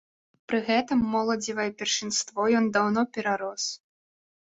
Пры гэтым моладзевае першынство ён даўно перарос.